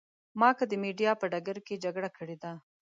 ما که د مېډیا په ډګر کې جګړه کړې ده.